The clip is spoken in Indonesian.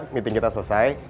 meeting kita selesai